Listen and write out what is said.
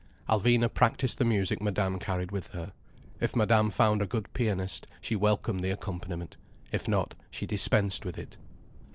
Alvina practised the music Madame carried with her. If Madame found a good pianist, she welcomed the accompaniment: if not, she dispensed with it.